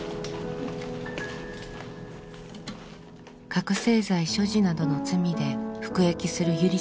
覚醒剤所持などの罪で服役するゆりさん。